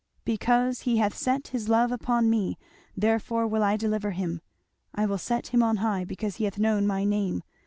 'Because he hath set his love upon me, therefore will I deliver him: I will set him on high, because he hath known my name.